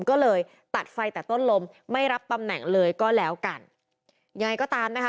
ก็เลยตัดไฟแต่ต้นลมไม่รับตำแหน่งเลยก็แล้วกันยังไงก็ตามนะคะ